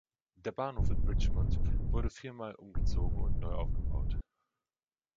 Der Bahnhof in Richmond wurde viermal umgezogen und neu aufgebaut.